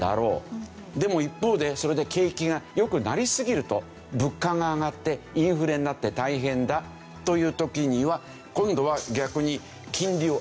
でも一方でそれで景気が良くなりすぎると物価が上がってインフレになって大変だという時には今度は逆に金利を上げる。